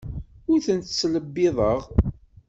Ur ten-ttlebbiḍeɣ.